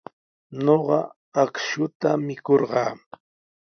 Ñuqa akshuta mikurqaa.